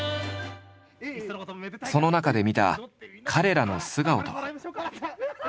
その中で見た彼らの素顔とは。